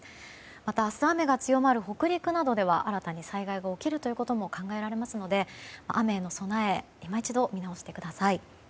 また、明日雨が強まる北陸などでは新たな災害が起きるということも考えられますので雨への備え今一度、見直してください。